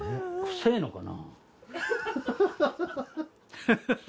臭ぇのかな？